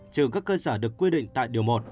trừ các cơ sở được quy định tại điều một